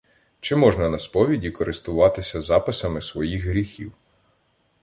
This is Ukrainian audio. Чи можна на сповіді користуватися записами своїх гріхів?